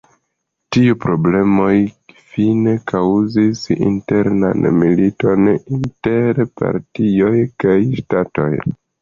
Tiu problemoj fine kaŭzis internan militon inter partioj kaj ŝtatoj.